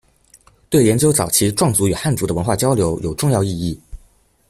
对研究早期壮族与汉族的文化交流有重要意义。